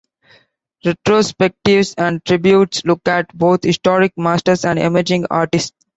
Retrospectives and tributes look at both historic masters, and emerging artists.